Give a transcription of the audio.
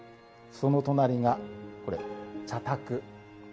その隣がこれ茶たく。